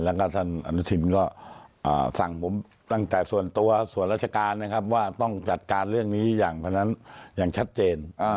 แล้วก็ท่านอนุทินก็สั่งผมตั้งแต่ส่วนตัวส่วนราชการนะครับว่าต้องจัดการเรื่องนี้อย่างพนันอย่างชัดเจน